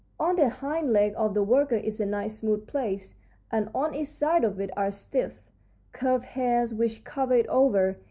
On the hind leg of the worker is a nice smooth place, and on each side of it are stiff, curved hairs which cover it over.